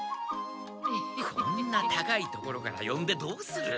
こんな高いところからよんでどうする。